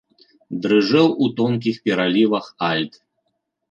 Дрыжэў у тонкіх пералівах альт.